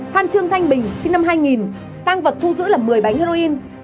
phan trương thanh bình sinh năm hai nghìn tăng vật thu giữ là một mươi bánh heroin